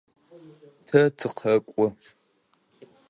Тэ тыкъэкӏо.